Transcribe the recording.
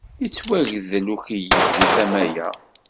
Yettwagdel ukeyyef deg tama-a.